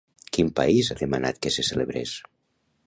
Quin país ha demanat que se celebrés?